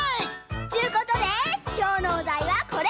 ちゅうことできょうのおだいはこれ！